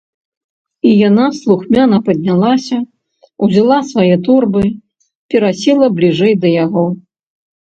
І яна слухмяна паднялася, узяла свае торбы, перасела бліжэй да яго.